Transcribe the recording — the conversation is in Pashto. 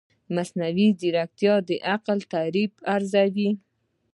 مصنوعي ځیرکتیا د عقل تعریف بیا ارزوي.